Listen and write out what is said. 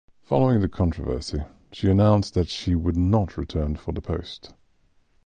Following the controversy, she announced that she would not run for the post.